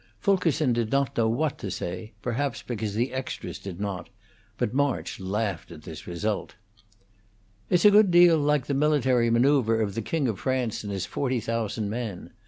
Fulkerson did not know what to say, perhaps because the extras did not; but March laughed at this result. "It's a good deal like the military manoeuvre of the King of France and his forty thousand men.